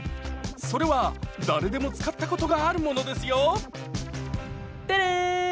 それは誰でも使ったことがあるものですよテレーン！